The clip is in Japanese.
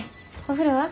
お風呂は？